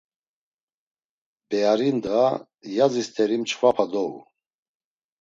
Beari ndğa yazi st̆eri mçxvapa dou.